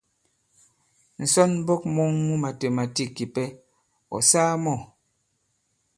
Ǹsɔnmbɔk mɔ̄ŋ mu màtèmàtîk kìpɛ, ɔ̀ saa mɔ̂ ?